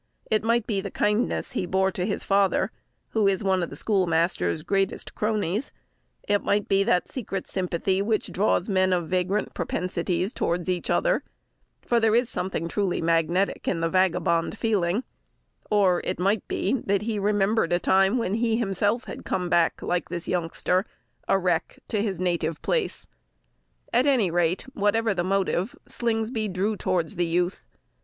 It might be the kindness he bore to his father, who is one of the schoolmaster's greatest cronies; it might be that secret sympathy, which draws men of vagrant propensities towards each other; for there is something truly magnetic in the vagabond feeling; or it might be, that he remembered the time when he himself had come back, like this youngster, a wreck to his native place. At any rate, whatever the motive, Slingsby drew towards the youth.